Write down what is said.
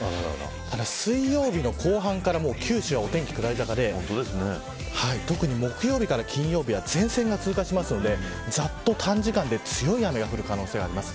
ただ、水曜日の後半から九州、お天気下り坂で特に木曜日から金曜日は前線が通過するのでざっと短時間で強い雨が降る可能性があります。